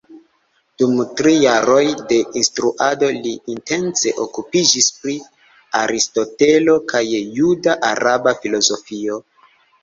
Dum tri jaroj de instruado li intense okupiĝis pri Aristotelo kaj juda-araba filozofio.